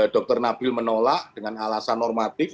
dr nabil menolak dengan alasan normatif